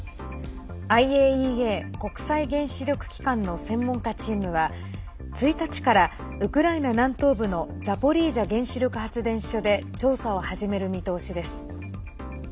ＩＡＥＡ＝国際原子力機関の専門家チームは１日から、ウクライナ南東部のザポリージャ原子力発電所で調査を始める見通しです。